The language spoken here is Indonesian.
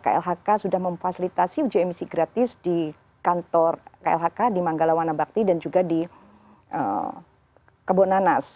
klhk sudah memfasilitasi uji emisi gratis di kantor klhk di manggala wanabakti dan juga di kebonanas